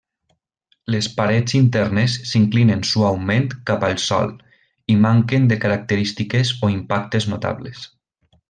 Les parets internes s'inclinen suaument cap al sòl i manquen de característiques o impactes notables.